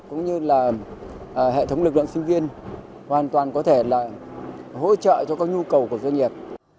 cũng như là hệ thống lực lượng sinh viên hoàn toàn có thể là hỗ trợ cho các nhu cầu của doanh nghiệp